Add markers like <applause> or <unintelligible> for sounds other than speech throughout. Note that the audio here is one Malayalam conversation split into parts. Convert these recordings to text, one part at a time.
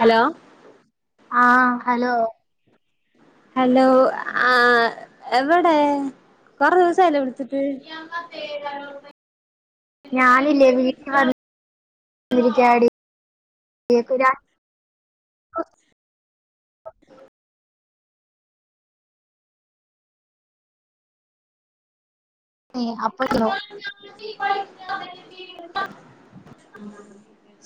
ഹലോ ആഹ് ഹലോ ഹലോ ആഹ് എവിടെ കൊറെ ദെവസമായല്ലോ വിളിച്ചിട്ട് ഞാനില്ലേ വീട്ടിൽ കേക്കുലാ രാത്രി അപ്പോ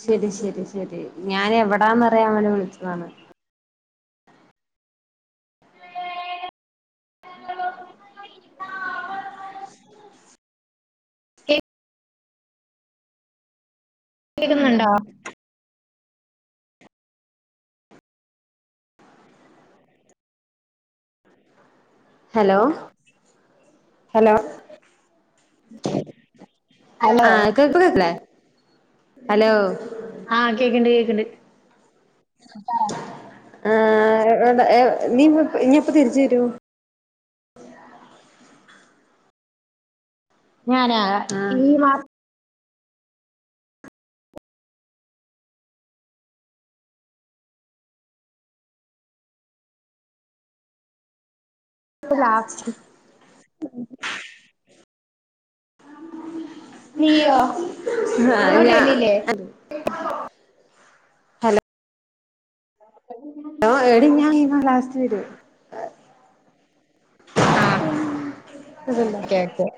ശരി ശരി ശരി ഞന് എവിടാന്ന്- <unintelligible> നിക്കുവാണ് <inaudible> നിനക്ക് കേക്കുന്നുണ്ടോ ഇന്ന് ഉണ്ടോ ഹലോ ഹലോ ഹലോ ആ കേക്കുന്നില്ലേ ഹലോ ആ എവ് നീ ഇനിപ്പം തിരിച്ച് തരുവോ ഞാനാ ഈ മാ <unintelligible> ത്ര ഇപ്പൊ ലാസ്റ്റി നീയോ ആ അങ്ങോട്ട് ഞാ വര്ണ്ല്ലേ. ഹലോ ലോ എടി ഞാൻ ഈ മാ ലാസ്റ്റ് വരും ആഹ് അതല്ലേ ആ കേക്കും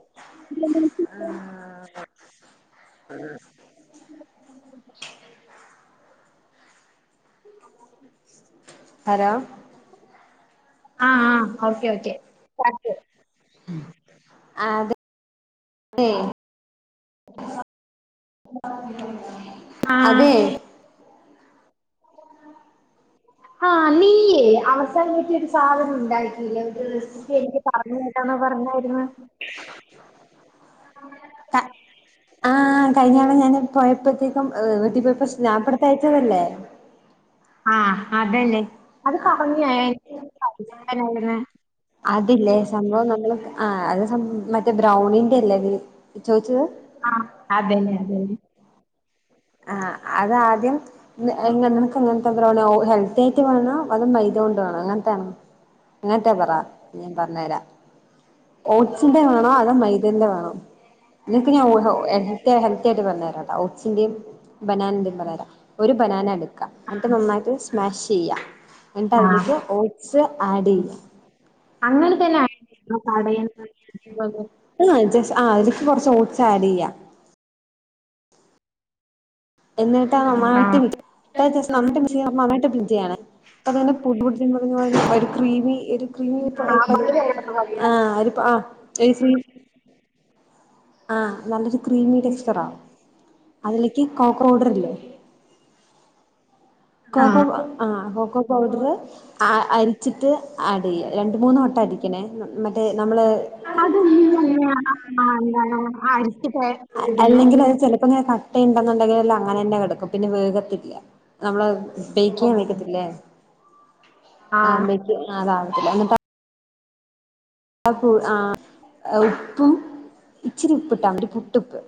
ഹലോ ആഹ് ആഹ് ഓക്കെ ഓക്കെ <unintelligible> <unintelligible> അതെ ആഹ നീയേ ഒരു സാധനം ഉണ്ടായിട്ടി അതെ ഇതെപ്പോ സ്‌നാപ് എടുത്തായിച്ചതല്ലേ ആഹ അതന്നെ അത് പറഞ്ഞു <unintelligible> അത് ല്ലേ സംഭവം നമ്മള് ആ അത് മറ്റേ ബ്രൗണിന്റെ അല്ലേ ത് ചോയിച്ചത് ആഹ അതാദ്യം നമുക്ക്ങ്ങന എ ഹെൽത്തി ആയിട്ട് വേണോ അതോ മൈത കൊണ്ട് വേണോ അങ്ങനത്താണോ നട്ടെ പറ വന്നേര ഓട്സിന്റെ വേണോ അതോ മൈദേന്റെ വേണോ നിക്ക് ഞാൻ ഒട് എഹ്ടേ <unintelligible> ചെടി വന്നേരം ആഹ് <unintelligible> ബനാനന്തി <unintelligible> ഒരു ബനാന എടുക്കാ എന്നിട്ട് നന്നായിട്ട് സ്മാഷെയ്യാ. അന്ന്ട്ട് ആഹ് അതിലേക്ക് ഓട്സ് ആഡ് ചെയ്യാ അങ്ങനെ തന്നെ ആയിരുന്നു കടേന്ന് <unintelligible> ജെസ് ആഹ് ഇതിക്ക് കൊറച്ച് ഓട്സ് ആഡ് ചെയ്യാ എന്നിട്ടാനന്നായിട്ട് മിക് നമ്മനന്നായിട്ട് <unintelligible> നന്നായിട്ട് <unintelligible> അതുകൊണ്ട് പുഡ്ഡിംഗ് എന്ന് പറഞ്ഞ ഒരു ക്രീമി ഒരു ക്രീമി പ <unintelligible> ആ ഒരു പാ ജയ്ശ്രീ ആ നല്ലൊരു ക്രീമി ടെക്സ്റ്ററാ അതിലേക്ക് കോക്കർ ഓഡർല്ലേ കോക്കോ ആഹ് ആ കോക്കോ പൗഡറ് അരിച്ചിട്ട് ആഡ് ചെയ്യാ രണ്ട് മൂന്ന് വട്ടം അരിക്കണേ മറ്റേ നമ്മള് അതൊന്നും തന്നെ എന്താണ് അരച്ച് അൽ ഇടുന്നെ അല്ലെങ്കിലത് ചെലപ്പ ഇങ്ങനെ കട്ടയുണ്ടെന്നുണ്ടെങ്കിലല്ലാ അങ്ങനെ തന്നെ കെടക്കും പിന്നെ വേഗത്ത് പറ്റില്ല്യാ നമ്മളത് പേയ്ക്ക്യാൻ വക്കത്തില്ലേ ആഹ് ആ ബെയ്ക്ക് അതാവത്തില്ല എന്ന് പ ആഹ് പൂ ആഹ് ഉപ്പും ഇച്ചിരി ഉപ്പ് ഇട്ടാ മതി പുട്ടുപ്പ്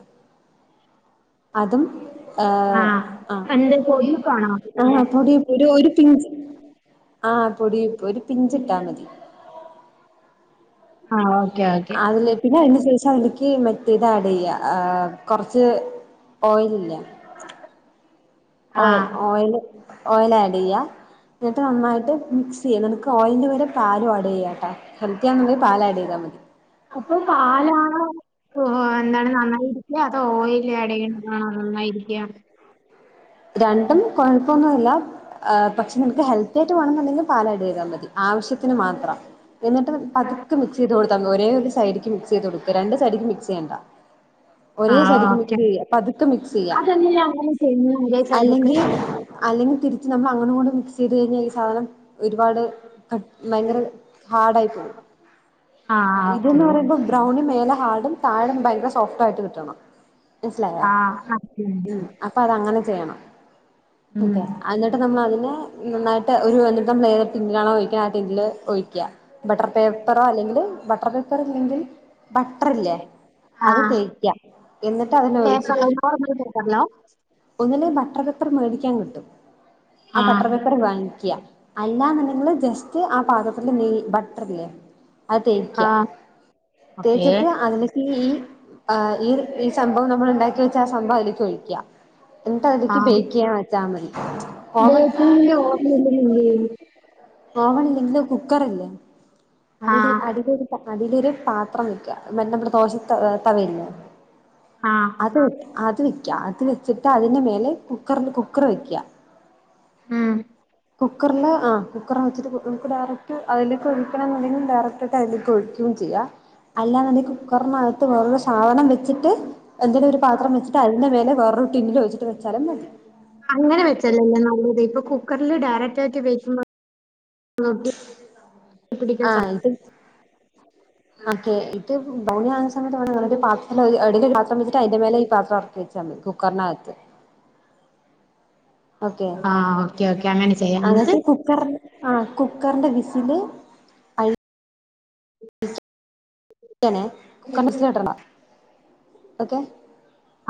അതും ആ എന്ത് പൊടിയുപ്പാണോ ആ പൊടിപ്പ പിഞ്ച് ആ പൊടിപ്പ് ഒരു പിഞ്ച ഇട്ടാ മതി ആ ഓക്കെ അതില് പിന്നെ അതിന് ശേഷം എനിക്ക് മറ്റേ ഇത് ആഡ് യ്യ കൊറച്ച് ഓയിൽ ഇല്ല ആ ഓയിൽ ഓയില് ഓയിലായി യാ ന്നിട്ട് നന്നായിട്ട് മിക്സ് ചെയ്യാം നമുക്ക് ഓയിൽന് പകരം പാല് വാ ചെയ്യാ ട്ടാ അപ്പൊ പാലാണോ എന്താണ് നന്നായി ഇല്ല അത് ഓയിയില് ആഡ് യ്യുന്നതാണോ നന്നായിരിക്ക രണ്ടും കൊഴപ്പൊന്നുല്ല പക്ഷെ നിങ്ങക്ക് ഹെൽത്തി ആയിട്ട് വാണന്നുണ്ടെങ്കിൽ പാൽ ആഡ് യ്താൽ മതി ആവശ്യത്തിന് മാത്രം, എന്നിട്ട് പതുക്കെ മിക്സ് ചെയ്ത് കൊടുത്താൽ ഒരേ ഒരു സൈഡക്ക് മിക്സ് <unintelligible> രണ്ട് മിക്സ് യ്യണ്ട ആ ഒരേ സൈഡ്ക്ക് ഓക്കെ മിക്സ് ചെയ്യ പതുക്കെ മിക്സ് ചെയ്യ അതെങ്ങനെ അങ്ങനെ ചെയ്യുന്നു ഒരേ സൈഡൊക്കെ അല്ലെങ്കി അല്ലെങ്കി തിരിച്ച് നമ്മൾ അങ്ങട്ടും ഇങ്ങട്ടും മിക്സ് ചെയ്ത് കഴിഞ്ഞാ ഈ സാധനം ഒരുപാട് ക ഭയങ്കര ഹാർഡ ആയി പോകും ആ ഓക്കെ ഇതന്ന് പറയുമ്പോ ബ്രൗണി മേല പാടും താഴം ഭയങ്കര സോഫ്റ്റ് ആയിട്ട് കിട്ടണം മനസ്സിലായോ ആ മനസ്സിലായി, മനസ്സിലായി. ഉം അപ്പ അതങ്ങനെ വേണം ഉം. അതെ അന്നിട്ട് നമ്മൾ അതിനെ നന്നായിട്ട് ഒരു എന്നിട്ട് <unintelligible> ട്ട അതില് ഒഴിക്ക ബട്ടർ പേപ്പറോ അല്ലെങ്കിൽ ബട്ടർ പേപ്പർ ഇല്ലെങ്കിൽ ബട്ടർ ഇല്ലേ ആ അത് തേക്കാം എന്നിട്ട് അതിന ഒഴിച്ചിട്ട് പേപ്പറിലോ നോർമൽ പേപ്പറിലോ ഒന്നില് ബട്ടർ പെപ്പർ മേടിക്ക ക്കാൻ കിട്ടും ആ ബട്ടർ പേപ്പറ് വാങ്ങിക്ക അല്ലാന്ന് നിൾ ജസ്റ്റ് പാകത്തില് നെയ് ബട്ടർ ല്ലേ അത് തേക്ക ആ ഓക്കെ തേച്ചിട്ട് അതിലക്ക് ഈ ആ ഈ ഈ സംഭവം നമ്മൾ ഉണ്ടാക്കി വെച്ചാ ആ സംഭവം അയിൽക്ക് ഒഴിക്ക എന്ത ആ അതിക്ക ബേക്കിയ താമതി ഓവൺ ബേക്കിങ്ങിന്റെ ഓർമ്മയില്ലെങ്കിൽ എന്ത് ചെയ്യും ഓവണില്ലെങ്കില് കുക്കറ് ഇ ല്ലേ ആ അടി അടിലൊരു അടിലൊരു പാത്രം വെയ്ക്ക മറ്റ നമ്മുടെ ദോശ തവയില്ല ആ അത് വിക്ക്യ അത് വിക്ക്യ അത് വി ച്ചിട്ട് അതിന്റെ മേലെ കുക്കർ കുക്കർ വെക്ക്യാ. കുക്കർല് ആഹ് കുക്കർ വെച്ചിട്ട് നമുക്ക് ഡയറക്ട് അതിലേക്ക് ഒഴിക്കണംണ്ടെങ്കി ഡയറ ക്ട് ടൈമിക്ക് ഒഴിക്ക്യും ചെയ്യാ. അല്ലാെന്നുണ്ടെങ്കിൽ കുക്കറിനകത്ത് വേറൊ സാധനം വച്ചിട്ട് എന്തെങ്കിലും ഒരു പാത്രം വെച്ചിട്ട് അതിന്റെ മേല വെറെ <unintelligible> വെച്ചാലും മതി അങ്ങനെ വെച്ചാല്ലല്ലോ നല്ലത് ഇപ്പൊ കു കുക്കറില് ഡയറക്റ്റ് ആക്കി വെക്കുമ്പോ പിടിക്കാൻ ആഹ് ഇത് ഓക്കെ ഇത് ബൗണി ആകുന്ന സമയത്ത് വേണം ഒരു പാത്ര എടെയിൽ ഒരു പത്രം വച്ചിട്ട് അതിന്റെ മേലെ ഈ പാത്രം ഇറക്കി വെച്ചാൽ മതി കു കുക്കർ നകത്ത് ഓക്കെ ആഹ് ഓക്കെ ഓക്കെ അങ്ങനെ ചെയ്യാം എന്നിട്ട് കുക്കർ ആഹ് കുക്കറിന്റെ വിസില് അയ് <unintelligible> ഓക്കെ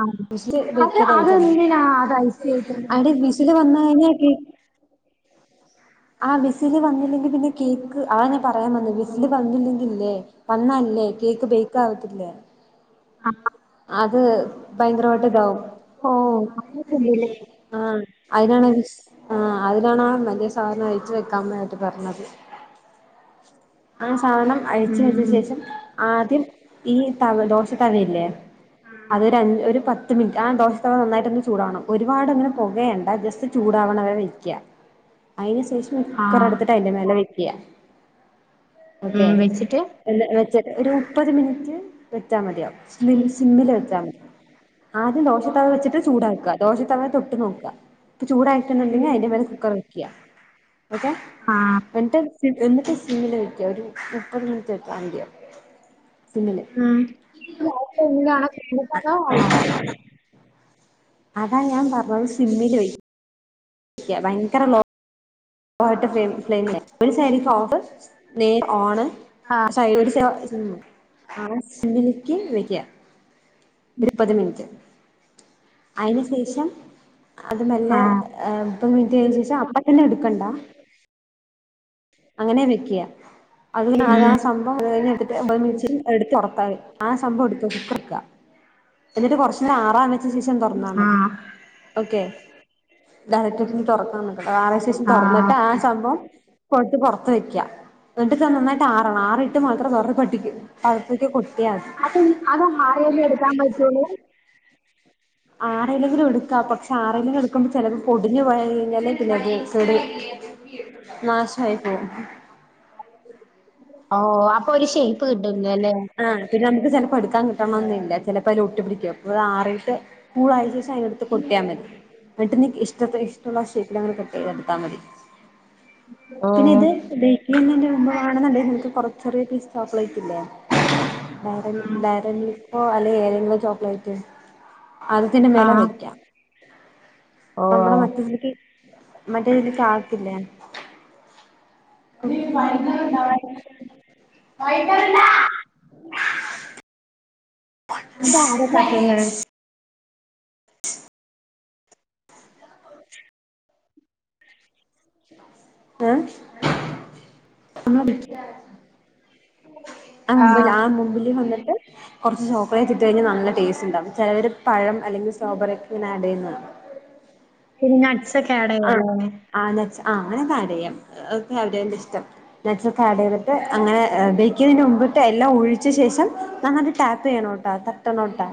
ആഹ് വിസില് അത് അടിക്ക ഒരഞ്ചണ്ണം അതെന്തിനാ അത് ഐസ് വെക്കുന്നത് ആടി വിസില് വന്ന ഇനി ആക്കി ആഹ് വിസില് വന്നില്ലെങ്കി പിന്നെ കേക്ക് ആ ഞാൻ പറയാൻ വന്നേ വിസില് വന്നില്ലെങ്കി ഇല്ലേ വന്നാല് ലേ കേക്ക് ബേക്ക് ആവത്തില്ല ആഹ് അത് ഭയങ്കരമായിട്ട് ഇതാവും. ഓഹ് പിന്നെ അങ്ങനെയൊക്കെയുണ്ടല്ലേ ആഹ് അയിനാണ വിസ് ആഹ് അയിനാണാ വല്യ സാധനം ഒഴിച്ച് വെക്കാനായിട്ട് പറഞ്ഞത് ആ സാനം അഴിച്ച് വച്ച ഉം ശേഷം ആദ്യം ഈ തവദോശ തവയില്ലേ അതൊരഞ് ഒരു പത്ത് മിനി ആ ദോശ തവ നന്നായിട്ടൊന്ന് ച് ചൂടാവണം. ഒരുപാടൊങ്ങനെ പൊകയണ്ട ജസ്റ്റ് ചൂടാവണ വരെ യ്ക്ക. അയിന് ശേഷം കുറെ ആഹ് അടുത്തിട്ട് അയിന്റെ മേലെ വെയ്ക്ക. ഓക്കെ. ഉം വെച്ചിട്ട് എല്ലാ വെച്ച്ട്ട് ഒരു മുപ്പത് മിനിറ്റ് വെച്ചാ മതിയാവ് സ്ലിം സിമ്മില് വെച്ചാ മതി. ആദ്യം ദോശത്തവ വെച്ചിട്ട് ചൂടാക്ക. ദോശത്തവ തൊട്ട് നോക്ക. പ്പ ചൂടായിട്ട്ണ്ട് ന്ന് ണ്ടങ്കി അയിന്റെ മേലെ കുക്കറ് വെ യ്ക്ക ഓക്കെ ആഹ് എന്ന്ട്ട് എന്ന്ട്ട് സിമ്മില് വയ്ക്ക ഒരു മുപ്പത് മിനിറ്റ് വെച്ചമതിയാവും ഉം <unintelligible> അതാ ഞാൻ പറഞ്ഞത് സിമ്മില് വയ് യ്ക്ക ഭയങ്കര ലോ ട്ട് ഫ്ലൈമില് ഒരു സൈഡിക്ക് ഓഫ് നെ ഓണ് സൈഡിലെ ഒരു സിമ്മിലിക്ക് വെയ്ക്ക ഒരുപത് മിനിറ്റ് അയിന് ശേഷം അത് മെല്ലെ മുപ്പത് മിനിറ്റ് കഴിഞ്ഞ ശേഷം അപ്പ തന്നെ ഇടുക്കണ്ടാ അങ്ങനെയാ വെക്കുക അത് അത് ആ സംഭവം അത് കഴിഞ്ഞെടുത്തിട്ട് <unintelligible> തുറത്താെ ആ സംഭവം എടു കുക്കൃുക <inaudible> എന്നിട്ട് കൊറച്ച് നേരം ആറാൻവെച്ച ശേഷം തുറന്നാൽ മതി. ആഹ് ഓക്കെ, ഡയറക്റ്റട്ട് തുറക്കക്കട്ടെ ആറ ശേഷം ആഹ് തുറന്നിട്ട് ആ സംഭവം കൊത്ത് പുറത്ത് വെക്കാ എന്നിട്ട് നന്നായിട്ട് ആറണം ആറിട്ട് മാത്രം തുൊറ പട്ടിക്കും <unintelligible> ക്കെ കു <unintelligible> അപ്പം അത് ആറുംവരെ എടുക്കാൻ പോയിട്ട് ഹലോ ആറലെങ്കിലും എടുക്കാ പക്ഷെ ആറലങ്കും എടുക്കുമ്പോ ചെലപ്പോ പൊടിഞ്ഞ് പോയിക്കഴിഞ്ഞാലേ പിന്നെ അ ചെടി നാശമായി പോകും. ഓ അപ്പൊ ഒരു ഷേപ്പ് കിട്ടുന്നു അല്ലേ? ആ പിന്നെ നമുക്ക് ചിലപ്പോൾ എടുക്കാൻ കിട്ടണമെന്നില്ല അപ്പം അതിലൊട്ടിപ്പിടിക്കും. അപ്പോ അത് ആറിയിട്ട് സ്കൂളയച്ച ശേഷം അതിനടുത്ത് കൊട്ടിയാൽ മതി എന്നിട്ട്നിക്ക് ഇഷ്ട ഇഷ്ടമുള്ള ഷേപ്പിൽ അങ്ങ് കട്ട് ചെയ്തെടുത്താൽ മതി. പിന്നെ ഓഹ് ഇത് <unintelligible> ഉയിക്കുകന്നന്റെണെന്നക്ക് കുറച്ചറിയ പീസ് ചോക്ലേറ്റ് ഇല്ലേ? ഡയറി ഡയറിമിൽക്ക് ഓ അല്ലെ ഏതെങ്കിലും ചോക്ലേറ്റ് അതിതിന്റെ മേലെ ആഹ് വെക്കാം. നമ്മുടെ ഓഹ് മറ്റേതിലേക്ക് മറ്റേതിലേക്ക് ആകത്തില്ലേ? <unintelligible> വൈകുന്നേരല്ലാ അതാരാ കട്ട് ചെയ്യുന്നത് <inaudible> ഏഹ് ആഹ് മുമ്പിൽ ആ മുമ്പിൽ വന്നിട്ട് കുറച്ച് ചോ <unintelligible> ഇട്ട് കഴിഞ്ഞാൽ നല്ല ടേസ്റ്റ് ഉണ്ടാവും. ചെലവര് പഴം അല്ലെങ്കി സ്ട്രോബറി യൊക്കങ്ങന ഏഡെയ്യുന്ന കാണാ പിന്ന നട്ട്സ് ഒക്കെ ഏഡയ്യൊല്ലോ ആഹ് നട്ട്സ് <unintelligible> ആഹ് അങ്ങനെക്ക ഏഡയ്യാം അതൊക്കെ അവരവന്റെ ഇഷ്ടം. നട്സൊക്കെ ആടെയ്തിട്ട് അങ്ങനെ ബേയ്ക്കെയ്യുന്നതിന് മുമ്പ് ട്ട് എല്ലാം ഉൾ ച്ച ശേഷം നന്നായ്ട്ട് ടാപ്പയ്യണോട്ടാ തട്ടണോട്ടാ.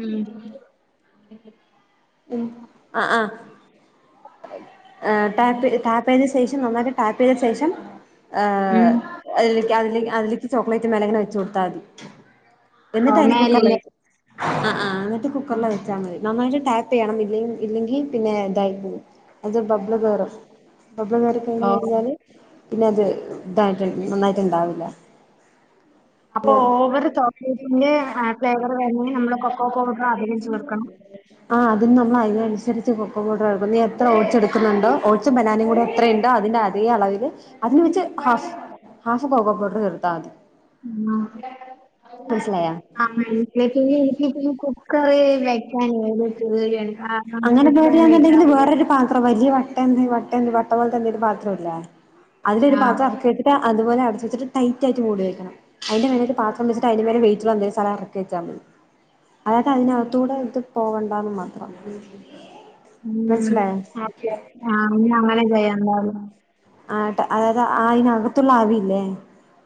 ഉം ഉം ആഹ് ആഹ് ഏഹ് ടാപ്പ് ടാപ്പയ്ത സേ റ്റ് നന്നായിട്ട് ടാപ്പയ്ത സേഷം ഏഹ് ക്ക് അതിലിക്ക് അതില് അതിലിക്ക് ചോക്ലേറ്റ് മേലങ്ങനെ വെച്ചു കൊടുത്താതി. ഓഹ് എന്നിട്ടയ്നെ മേലില് കുക്കറിലൊഴിക്കാ അ ആ എന്നിട്ട് കുക്ക <unintelligible> വെച്ചാ മതി നന്നായിട്ട് ടാപ് പ്പെയ്യണം ഇല്ലെ ഇല്ലെങ്കി പിന്നെ ഇതായി പോവും അത് ബബ്ലള് കേറും ബബ്ലള് കേറി ഓ കഴിഞ്ഞഴിഞ്ഞാല് പിന്നെ അത് ഇതായിട്ട് നന്നായിട്ടുണ്ടാവില്ല അപ്പൊ ഓവറ് ചോക്ലേറ്റിന്റെ ആ ഫ്ലേവറ് വേണെങ്കി നമ്മള് കൊക്കോ പൗഡർ അധികം ചേർക്കണം ആദ്യം നമ്മള് അയ്ന് <unintelligible> സരിച്ച് കൊക്കൊ പൗഡർ എടുക്കും നീ എത്ര ഓട്സ് എടുക്കുന്നുണ്ടോ ഓട്‌സും ബനാനേം കൂടെ എത്ര ഇണ്ട് അതിൻ്റെ അതേ അളവില് അതിനു വെച്ച് ഹാഫ് ഹാഫ് കൊക്കോ പൗഡർ ചേർത്താമതി ഉം. മനസിലായ ആ വീട്ടിലേക്ക് എനിക്ക് പിന്നെ കുക്കർ വെക്കാൻ ഒരു പേടിയാണ് കാരണം അങ്ങനെ വീട്ടിലങ്ങനെ പേടിയാന്നുണ്ടെങ്കില് വെക്കാറില്ല വേറൊരു പാത്രം വലിയ വട്ട ന്ത് വട്ട ന്ത് വട്ട പോലത്തെ എന്തേലും പാ ത്രോല്ല അതിലൊരു ആ പാത്രം അറക്കിട്ടിട്ട് അതുപോലെ അടച്ചച്ചിട്ട് ടൈറ്റ് ആയിട്ട് മൂടി വെക്കണം അയിന്റെ മേലെക്ക് പാത്രം വച്ചിട്ട് അയിൻ്റെ മേലെ വെയ്റ്റ്ള്ള എന്തേലും <unintelligible> ക്കിച്ചാ മതി അതാ കഴിഞ്ഞ അകത്തൂടെ ഇത് പോവ ണ്ടാന്ന് മാത്രം മനസ്സിലായോ ഉം അപ്പോ ആ അന്നഅങ്ങനെ ചെയ്യുണ്ടാർന്നു ആട്ട് അതായത് ആയിനകത്തുള്ള ആവില്ലേ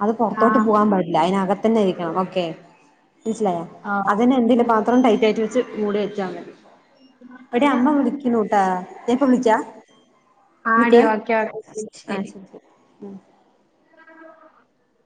അത് ആ പൊറത്തോട്ട് പോവാൻ പാടില്ല അതിനകത്തന്നെ ഇരിക്കണം ഓക്കെ മനസ്സിലായാ അതന്നെന്തിലും പാത്രം ടൈറ്റ് ആയിട്ട് വെച്ച് മൂടി വെച്ചാ മതി എടി അമ്മ വിളിക്കൂണുട്ടാ ഞാപ്പൊ വിളിക്കാ ആടി നിക്ക് ഓക്കെ ആ ശരി ഉം ആഹ്